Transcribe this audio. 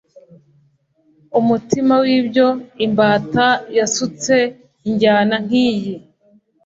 umutima wibyo imbata yasutse injyana nkiyi